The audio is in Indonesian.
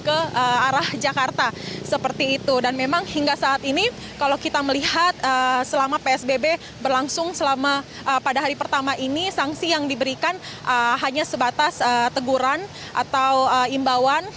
ke arah jakarta seperti itu dan memang hingga saat ini kalau kita melihat selama psbb berlangsung selama pada hari pertama ini sanksi yang diberikan hanya sebatas teguran atau imbauan